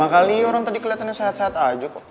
kayak drama kali ya orang tadi keliatannya sehat sehat aja kok